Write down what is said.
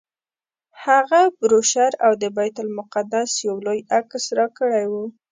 هغه بروشر او د بیت المقدس یو لوی عکس راکړی و.